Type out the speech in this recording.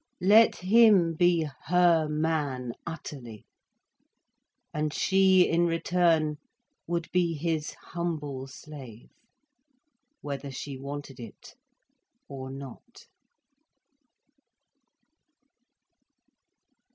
Let him be her man utterly, and she in return would be his humble slave—whether she wanted it or not.